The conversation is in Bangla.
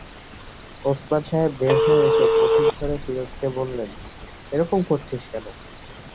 ওসমান সাহেব বের হয়ে এসে কঠিন স্বরে ফিরোজকে বললেন, এরকম করছিস কেন?